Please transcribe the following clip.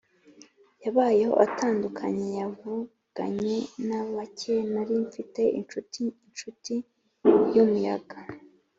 yabayeho atandukanye, yavuganye na bake; nari mfite inshuti, inshuti yumuyaga